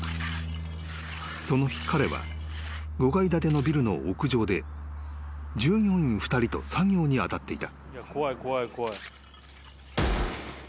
［その日彼は５階建てのビルの屋上で従業員２人と作業に当たっていた］